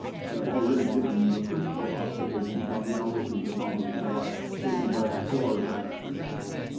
I have already given the principal observations on the altitude of Mount St. Elias, taken by explorers of that region.